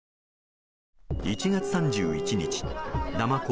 １月３１日ナマコ